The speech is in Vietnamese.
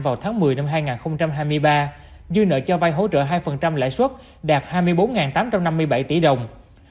vào tháng một mươi năm hai nghìn hai mươi ba dư nợ cho vay hỗ trợ hai lãi suất đạt hai mươi bốn tám trăm năm mươi bảy tỷ đồng